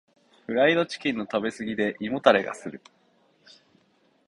フライドチキンの食べ過ぎで胃もたれがする。